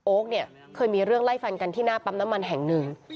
เนี่ยเคยมีเรื่องไล่ฟันกันที่หน้าปั๊มน้ำมันแห่งหนึ่ง